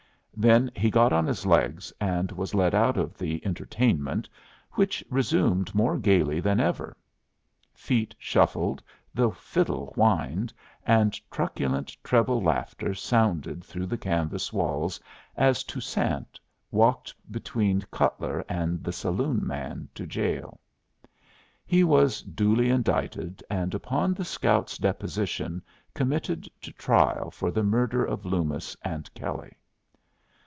Then he got on his legs, and was led out of the entertainment, which resumed more gayly than ever. Feet shuffled, the fiddle whined, and truculent treble laughter sounded through the canvas walls as Toussaint walked between Cutler and the saloon man to jail. He was duly indicted, and upon the scout's deposition committed to trial for the murder of Loomis and Kelley.